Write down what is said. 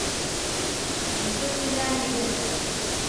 Üstesinden gelirim.